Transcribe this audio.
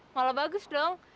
malah bagus dong